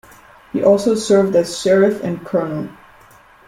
He also served as sheriff and coroner.